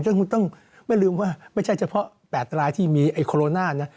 ซึ่งต้องไม่ลืมว่าไม่ใช่เฉพาะ๘รายที่มีไอ้โคโรนานะ